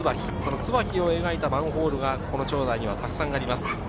ツバキを描いたマンホールが町内にはたくさんあります。